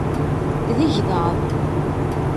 D igḍaḍ.